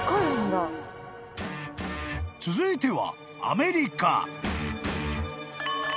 ［続いては］